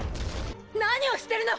何をしてるの！